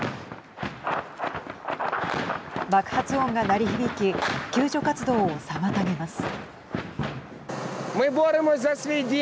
爆発音が鳴り響き救助活動を妨げます。